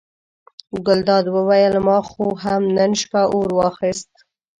ګلداد وویل ما خو هم نن شپه اور واخیست.